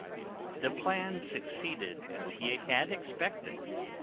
The plan succeeded as he had expected.